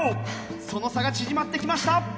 その差が縮まってきました！